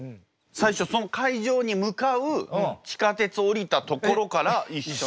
最初その会場に向かう地下鉄降りたところから一緒に。